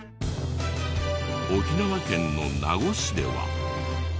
沖縄県の名護市では。